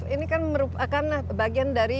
ini kan merupakan bagian dari